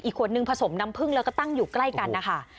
ขวดหนึ่งผสมน้ำผึ้งแล้วก็ตั้งอยู่ใกล้กันนะคะ